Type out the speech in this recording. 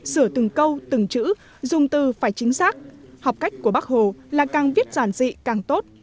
sửa từng câu từng chữ dùng từ phải chính xác học cách của bác hồ là càng viết giản dị càng tốt